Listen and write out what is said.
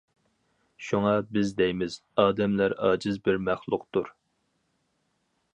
شۇڭا بىز دەيمىز، ئادەملەر ئاجىز بىر مەخلۇقتۇر.